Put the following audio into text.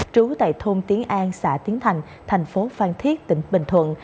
trú tại thôn tiến an xã tiến thành thành phố phan thiết tỉnh bình thuận